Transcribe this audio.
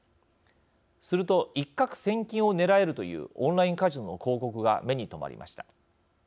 すると、一獲千金を狙えるというオンラインカジノの広告が目に留まりました。